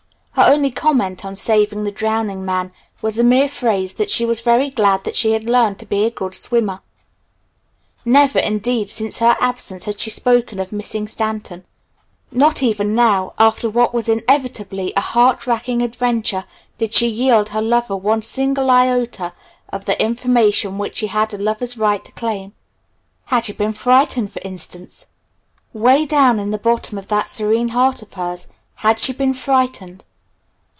Her only comment on saving the drowning man was the mere phrase that she was very glad that she had learned to be a good swimmer. Never indeed since her absence had she spoken of missing Stanton. Not even now, after what was inevitably a heart racking adventure, did she yield her lover one single iota of the information which he had a lover's right to claim. Had she been frightened, for instance way down in the bottom of that serene heart of hers had she been frightened?